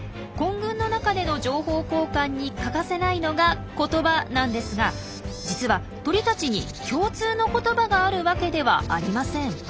混群の中での情報交換に欠かせないのが「言葉」なんですが実は鳥たちに共通の言葉があるわけではありません。